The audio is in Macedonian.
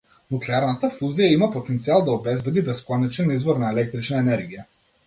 Нуклеарната фузија има потенцијал да обезбеди бесконечен извор на електрична енергија.